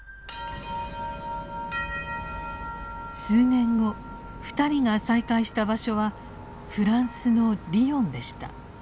数年後二人が再会した場所はフランスのリヨンでした。